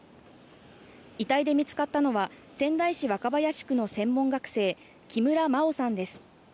遺体で見つかったのは仙台市若林区の専門学生木村真緒さんです。